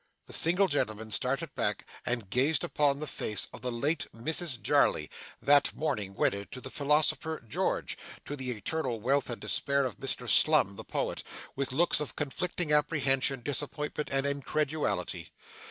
The single gentleman started back, and gazed upon the face of the late Mrs Jarley (that morning wedded to the philosophic George, to the eternal wrath and despair of Mr Slum the poet), with looks of conflicting apprehension, disappointment, and incredulity.